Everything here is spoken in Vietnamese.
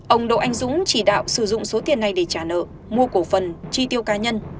ông đỗ anh dũng chỉ đạo sử dụng số tiền này để trả nợ mua cổ phần chi tiêu cá nhân